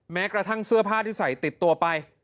แม้กระทั่งเสื้อผ้าที่ใส่ติดตัวไป